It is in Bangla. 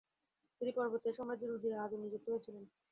তিনি পরবর্তীতে সাম্রাজ্যের উজিরে আজম নিযুক্ত হয়েছিলেন।